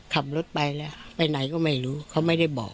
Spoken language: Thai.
ขับรถไปแล้วไปไหนก็ไม่รู้เขาไม่ได้บอก